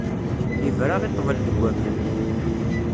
Ibra i ṭṭbel deg waman.